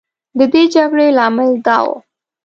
د دې جګړې لامل دا و.